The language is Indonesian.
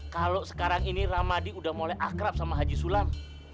kalau sekarang ini ramadi sudah mulai akrab sama haji sulam